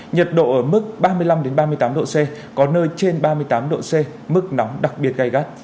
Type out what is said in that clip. nhiệt độ ở mức ba mươi năm ba mươi tám độ c có nơi trên ba mươi tám độ c mức nóng đặc biệt gai gắt